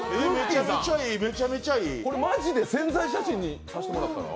マジで宣材写真にしてもらったら？